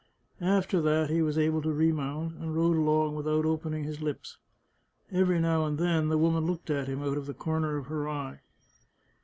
After that he was able to remount, and rode along without opening his lips. Every now and then the woman looked at him out of the corner of her eye.